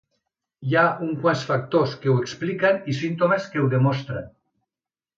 Hi ha uns quants factors que ho expliquen i símptomes que ho demostren.